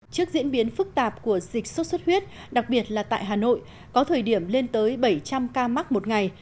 trước diễn biến phức tạp của dịch sốt xuất huyết đặc biệt là tại hà nội có thời điểm lên tới bảy trăm linh ca mắc một ngày